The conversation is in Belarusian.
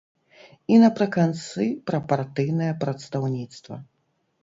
І напрыканцы пра партыйнае прадстаўніцтва.